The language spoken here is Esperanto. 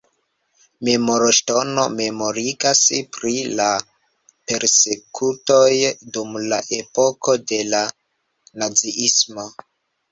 Memorŝtono memorigas pri la persekutoj dum la epoko de la naziismo.